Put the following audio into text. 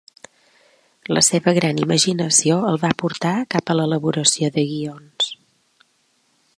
La seva gran imaginació el va portar cap a l'elaboració de guions.